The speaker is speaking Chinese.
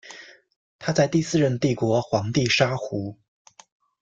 他在第四任帝国皇帝沙胡。